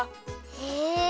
へえ。